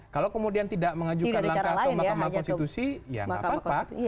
kalau kemudian tidak mengajukan langkah ke mahkamah konstitusi ya nggak apa apa